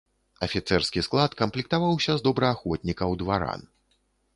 Афіцэрскі склад камплектаваўся з добраахвотнікаў-дваран.